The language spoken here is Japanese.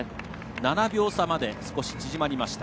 ７秒差まで縮まりました。